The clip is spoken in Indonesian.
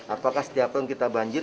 apakah setiap tahun kita banjir